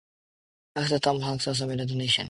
Actor Tom Hanks also made a donation.